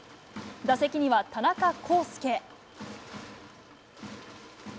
打席には田中広輔。